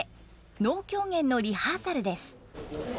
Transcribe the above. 能狂言のリハーサルです。